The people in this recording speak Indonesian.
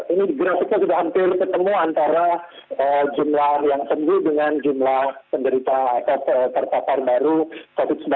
ini gresiknya sudah hampir ketemu antara jumlah yang sembuh dengan jumlah penderita terpapar baru covid sembilan belas